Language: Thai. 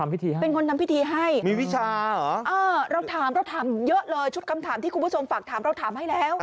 เป็นคนทำพิธีให้